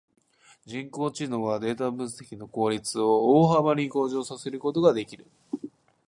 人工知能はデータ分析の効率を大幅に向上させることができる。